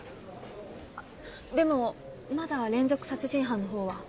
あっでもまだ連続殺人犯のほうは。